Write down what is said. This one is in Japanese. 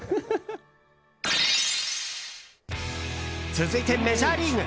続いて、メジャーリーグ。